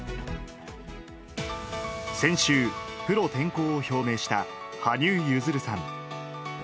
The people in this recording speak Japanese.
先週、プロ転向を表明した羽生結弦さん。